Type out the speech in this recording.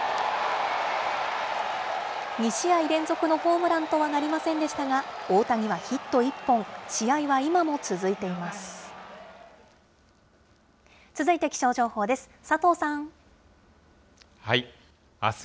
２試合連続のホームランとはなりませんでしたが、大谷はヒット１本、試合は今も続いています。